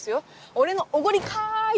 「俺のおごりかい」